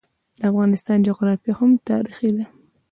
د افغانستان جغرافیه هم تاریخي ده.